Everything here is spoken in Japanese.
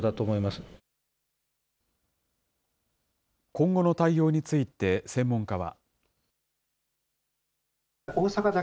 今後の対応について、専門家は。